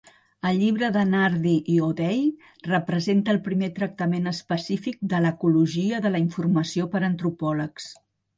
El llibre de Nardi i O'Day representa el primer tractament específic de l'ecologia de la informació per antropòlegs.